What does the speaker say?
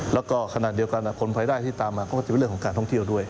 แล้วก็ขณะเดียวกันคนภายใต้ที่ตามมาก็จะเป็นเรื่องของการท่องเที่ยวด้วย